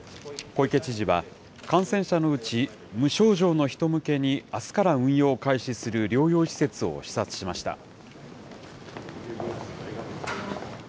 小池知事は、感染者のうち無症状の人向けにあすから運用を開始する療養施設を視察しました。